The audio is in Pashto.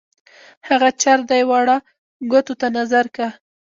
هغه چر دی واړه ګوتو ته نظر کا.